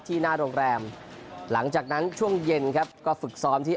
หน้าโรงแรมหลังจากนั้นช่วงเย็นครับก็ฝึกซ้อมที่